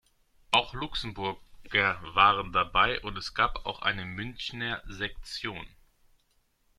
Auch Luxemburger waren dabei und es gab auch eine Münchner Sektion.